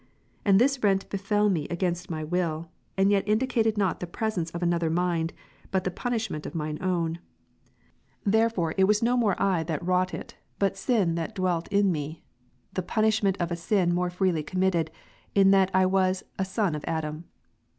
And this rent befel me against my will, and yet indicated, not the presence of another mind, but the punish ment of my own \ Therefore it was no more I that tvronght Rom. 7. it, hut sin that dwelt in me ; the punishment of a sin more freely committed, in that I was a son of Adam.